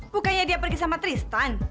bukannya dia pergi sama tristan